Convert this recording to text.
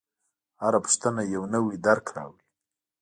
هره پوښتنه یو نوی درک راوړي.